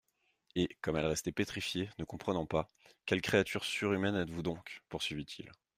Et, comme elle restait pétrifiée, ne comprenant pas : —«Quelle créature surhumaine êtes-vous donc ?…» poursuivit-il.